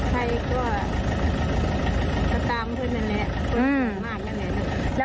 ใครก็ตามเขาเข้ายังไง